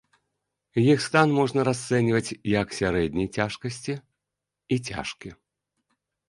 Іх стан можна расцэньваць як сярэдняй цяжкасці і цяжкі.